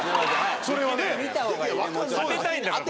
当てたいんだから。